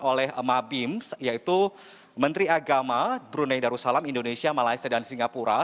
oleh mabim yaitu menteri agama brunei darussalam indonesia malaysia dan singapura